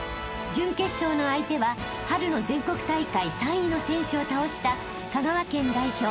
［準決勝の相手は春の全国大会３位の選手を倒した香川県代表